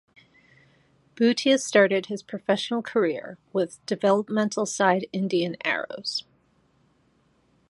Bhutia started his professional career with developmental side Indian Arrows.